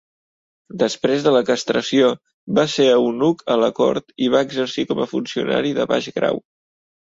Després de la castració, va ser eunuc a la cort i va exercir com a funcionari de baix grau.